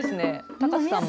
高瀬さんも。